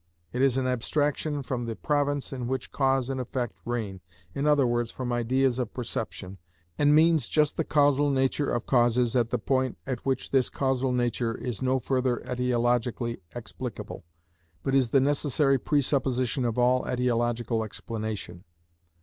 It is an abstraction from the province in which cause and effect reign, i.e., from ideas of perception, and means just the causal nature of causes at the point at which this causal nature is no further etiologically explicable, but is the necessary presupposition of all etiological explanation.